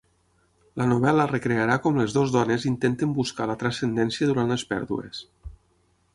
La novel·la recrearà com les dues dones intenten buscar la transcendència durant les pèrdues.